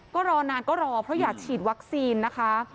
ก็รอนานก็รอเพราะอยากฉีดวัคซีนนะคะ